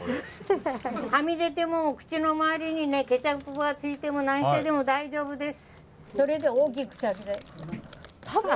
はみ出ても口の周りにねケチャップばついても何してでも大丈夫です。